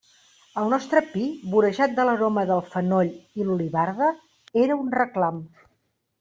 El nostre pi, vorejat de l'aroma del fenoll i l'olivarda, era un reclam.